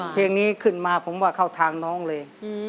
เพลงนี้ขึ้นมาผมว่าเข้าทางน้องเลย